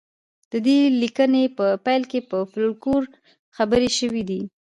د دې لیکنې په پیل کې په فولکلور خبرې شوې دي